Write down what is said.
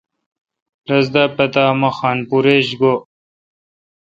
رس دا پتا می خان پور ایچ گو۔